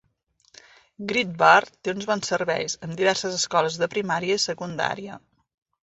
Great Barr té uns bons serveis, amb diverses escoles de primària i secundària.